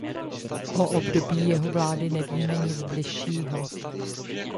O období jeho vlády nevíme nic bližšího.